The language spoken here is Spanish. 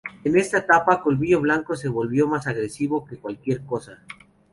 En esta etapa, Colmillo Blanco se volvió más agresivo que cualquier cosa.